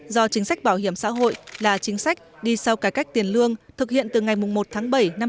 do chính sách bảo hiểm xã hội là chính sách đi sau cải cách tiền lương thực hiện từ ngày một tháng bảy năm hai nghìn hai mươi